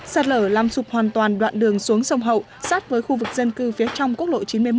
sạt lở làm sụp hoàn toàn đoạn đường xuống sông hậu sát với khu vực dân cư phía trong quốc lộ chín mươi một